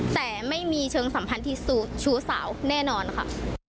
แต่ไม่มีเชิงสัมพันธ์ที่ชู้สาวแน่นอนค่ะ